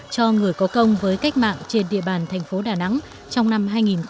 cho người có công với cách mạng trên địa bàn thành phố đà nẵng trong năm hai nghìn một mươi chín